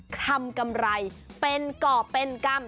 ทำกำไรเป็นเกาะเป็นกำ